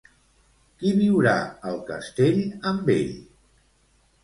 Qui viurà al castell amb ell?